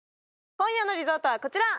今夜のリゾートはこちら！